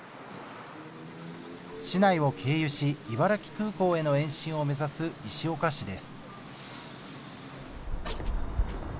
市内を経由し茨城空港への延伸を目指す石岡市です。